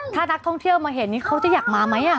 ถ้านักท่องเที่ยวมาเห็นนี่เขาจะอยากมาไหม